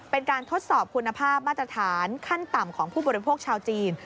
ทดสอบคุณภาพมาตรฐานขั้นต่ำของผู้บริโภคชาวจีน